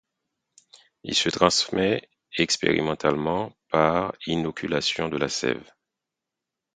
Il se transmet expérimentalement par inoculation de la sève.